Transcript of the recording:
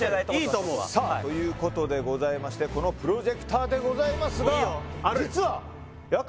いいと思うさあということでございましてこのプロジェクターでございますが実ははいそうか！